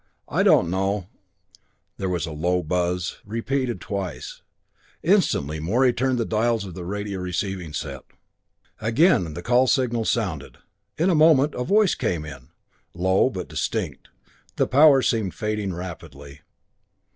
I don't know " There was a low buzz, repeated twice. Instantly Morey turned the dials of the radio receiving set again the call signal sounded. In a moment a voice came in low, but distinct. The power seemed fading rapidly.